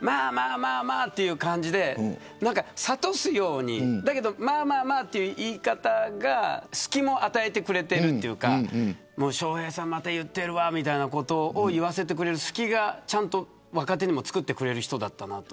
まあまあという感じで諭すようにだけどその言い方が隙も与えてくれているというか笑瓶さんまた言っているわみたいなことを言わせてくれる隙をちゃんと若手に作ってくれる人だったなと。